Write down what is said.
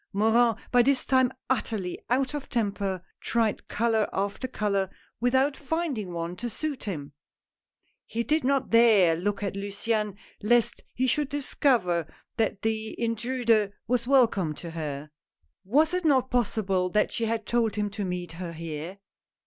Morin by this time utterly out of temper, tried color after color without finding one to suit him. He did not dare look at Luciane, lest he should discover that A NEW ASPIRANT. 147 the intruder was welcome to her. Was it not possible that she had told him to meet her here.